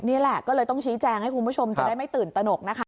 นี่แหละก็เลยต้องชี้แจงให้คุณผู้ชมจะได้ไม่ตื่นตนกนะคะ